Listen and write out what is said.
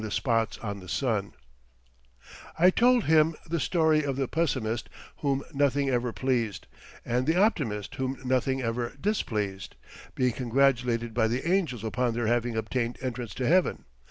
_ VISCOUNT MORLEY OF BLACKBURN] I told him the story of the pessimist whom nothing ever pleased, and the optimist whom nothing ever displeased, being congratulated by the angels upon their having obtained entrance to heaven.